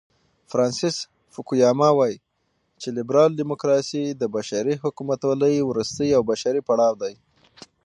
فرانسیس فوکویاما وایي چې لیبرال دیموکراسي د بشري حکومتولۍ وروستی او بشپړ پړاو دی.